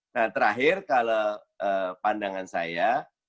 nah terakhir kalau pandangan saya